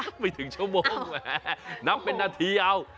นับไปถึงชั่วโมงนับเป็นนาทีเอา